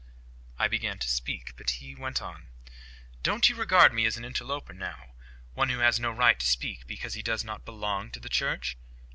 I began to speak, but he went on. "Don't you regard me as an interloper now—one who has no right to speak because he does not belong to the Church?"